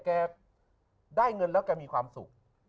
แกได้เงินแล้วแกมีความสุข